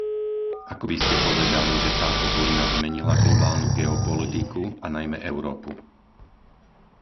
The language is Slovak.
Ako by ste povedali, že táto vojna zmenila globálnu geopolitiku a najmä Európu?